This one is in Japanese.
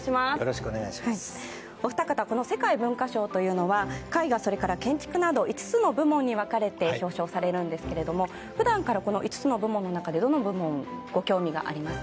お二方この世界文化賞というのは絵画それから建築など５つの部門に分かれて表彰されるんですが普段から５つの部門でどれにご興味がありますか？